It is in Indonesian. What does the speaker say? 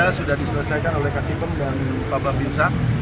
yang diselesaikan oleh kasih pem dan bapak binzah